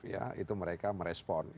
itu mereka merespon